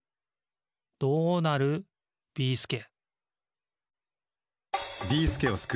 どうなる、ビーすけ